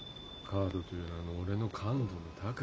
カードという名の俺の感度の高さだよ。